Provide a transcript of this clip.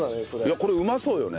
これうまそうよね。